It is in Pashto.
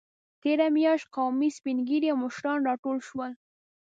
تېره میاشت قومي سپینږیري او مشران راټول شول.